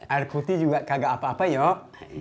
air kuti juga kagak apa apa yuk